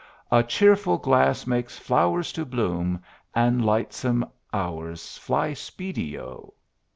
A cheerful glass makes flowers to bloom And lightsome hours fly speedy O!